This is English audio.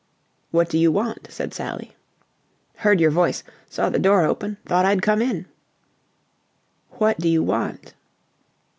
"What do you want?" said Sally. "Heard your voice. Saw the door open. Thought I'd come in." "What do you want?"